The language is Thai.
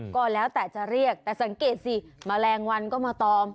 ก็แล้วแต่จะเรียกแต่สังเกตสิแมลงวันก็มาตอม